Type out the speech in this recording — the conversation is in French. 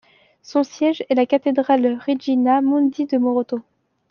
Son siège est la cathédrale Regina Mundi de Moroto.